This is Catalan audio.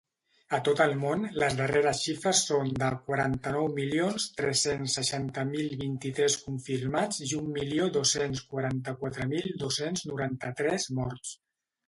A tot el món, les darreres xifres són de quaranta-nou milions tres-cents seixanta mil vint-i-tres confirmats i un milió dos-cents quaranta-quatre mil dos-cents noranta-tres morts.